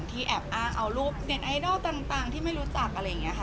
แอบอ้างเอารูปเด็ดไอดอลต่างที่ไม่รู้จักอะไรอย่างนี้ค่ะ